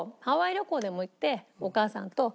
旅行でも行ってお母さんと。